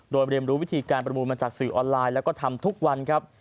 โดยเรียนรู้วิธีการประมูลมาจากสื่อออนไลน์แล้วก็ทำทุกวันครับ